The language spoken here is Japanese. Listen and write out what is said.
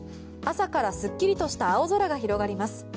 朝からすっきりとした青空が広がります。